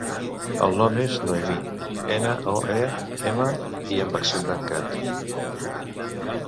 El nom és Noemí: ena, o, e, ema, i amb accent tancat.